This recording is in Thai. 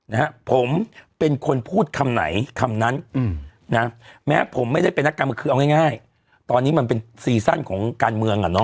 นะฮะผมเป็นคนพูดคำไหนคำนั้นอืมนะแม้ผมไม่ได้เป็นนักการเมืองคือเอาง่ายง่ายตอนนี้มันเป็นซีซั่นของการเมืองอ่ะเนอ